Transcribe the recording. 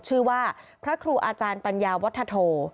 ชื่อว่าพระครูอาจารย์ปัญญาวัฒโธ